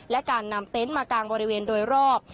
และการนำเต็นต์มากางบริเวณโดยรอบ